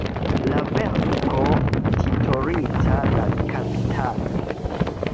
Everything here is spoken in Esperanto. La verko, titolita "La kapitalo.